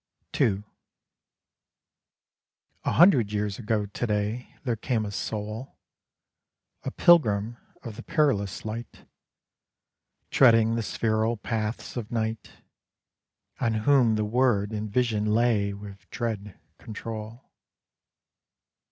II A hundred years ago to day There came a soul, A pilgrim of the perilous light, Treading the spheral paths of night, On whom the word and vision lay With dread control.